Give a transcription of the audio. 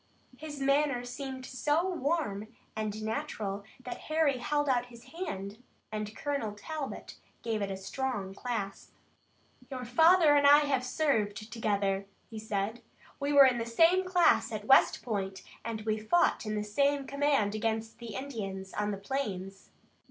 His manner seemed so warm and natural that Harry held out his hand, and Colonel Talbot gave it a strong clasp. "Your father and I have served together," he said. "We were in the same class at West Point, and we fought in the same command against the Indians on the plains.